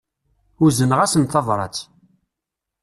Uzneɣ-asen tabrat.